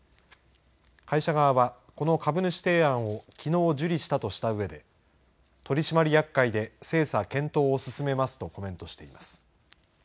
会社側は、この株主提案をきのう受理したとしたうえで、取締役会で精査・検討を進めますとコメントしています。